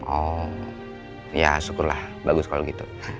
oh ya syukurlah bagus kalau gitu